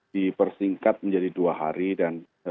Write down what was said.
dipersingkat menjadi dua hari dan